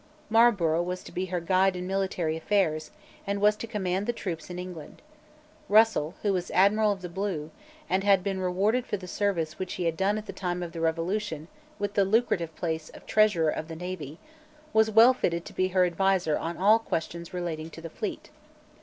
Marlborough was to be her guide in military affairs, and was to command the troops in England. Russell, who was Admiral of the Blue, and had been rewarded for the service which he had done at the time of the Revolution with the lucrative place of Treasurer of the Navy, was well fitted to be her adviser on all questions relating to the fleet.